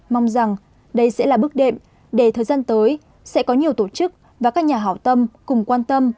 mong rằng đây sẽ là bước đệm để thời gian tới sẽ có nhiều tổ chức và các nhà hảo tâm cùng quan tâm